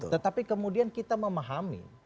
tetapi kemudian kita memahami